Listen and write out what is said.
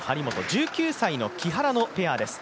１９歳の木原のペアです。